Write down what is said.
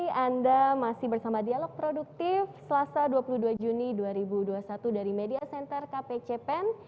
terima kasih anda masih bersama dialog produktif selasa dua puluh dua juni dua ribu dua puluh satu dari media center kpcpen